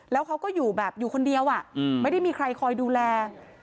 แล้วเขาก็อยู่แบบอยู่คนเดียวไม่ได้มีใครคอยดูแล